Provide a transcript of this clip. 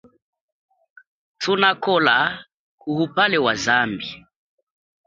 Thunakola kuwupale wa zambi.